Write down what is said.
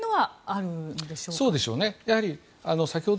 そうでしょうね。